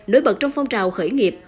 nổi bật trong phong trào khởi nghiệp